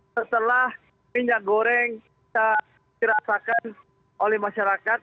setelah minyak goreng kita kirasakan oleh masyarakat